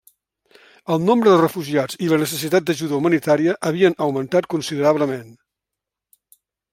El nombre de refugiats i la necessitat d'ajuda humanitària havien augmentat considerablement.